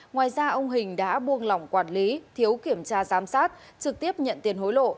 ngoài ra ông hình đã buông lỏng quản lý thiếu kiểm tra giám sát trực tiếp nhận tiền hối lộ